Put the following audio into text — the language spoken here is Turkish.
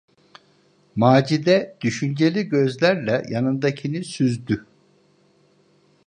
Macide düşünceli gözlerle yanındakini süzdü.